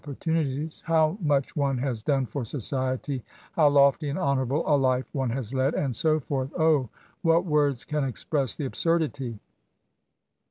tu&itiee— how much one has done fi>F society— how lo&y and honourable a life one has led — and so forth, —! what words can express the absurdity!